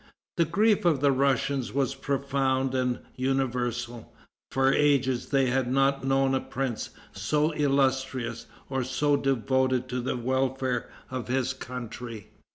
The grief of the Russians was profound and universal. For ages they had not known a prince so illustrious or so devoted to the welfare of his country.